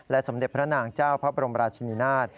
สมเด็จพระนางเจ้าพระบรมราชินินาศ